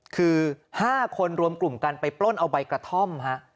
คือ๕คนรวมกลุ่มกันไปปล้นเอาใบกระท่อม